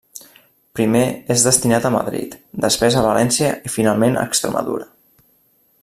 Primer és destinat a Madrid, després a València i finalment a Extremadura.